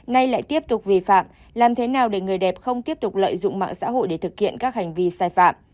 nay lại tiếp tục vi phạm làm thế nào để người đẹp không tiếp tục lợi dụng mạng xã hội để thực hiện các hành vi sai phạm